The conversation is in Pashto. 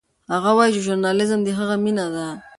هغه وایي چې ژورنالیزم د هغه مینه ده.